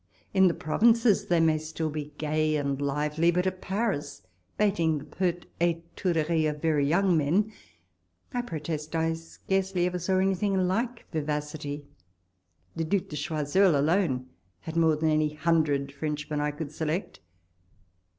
In the provinces they may still be gay and lively ; but at Paris, bating the pert etourdcric of very young men, I protest I scarcely ever saw any thing like vivacity — the Due de Choiseul alone had more than any hundred Frenchmen I could select.